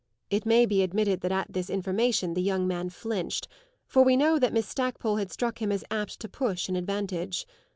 It may be admitted that at this information the young man flinched; for we know that Miss Stackpole had struck him as apt to push an advantage.